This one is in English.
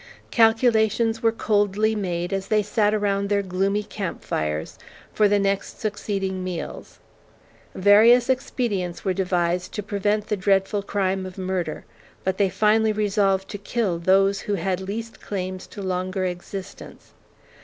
Calculations were coldly made, as they sat around their gloomy camp fires, for the next succeeding meals. Various expedients were devised to prevent the dreadful crime of murder, but they finally resolved to kill those who had least claims to longer existence.